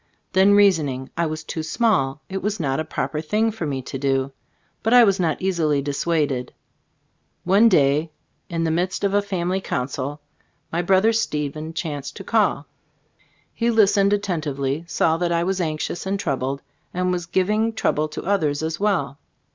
Then reasoning. I was "too small" ; it was not a proper thing for me to do. But I was not easily dissuaded. One day in the midst of a family council, my brother Stephen chanced to call. He listened attentively, saw that I was anxious and troubled, and was giving trouble to others as well.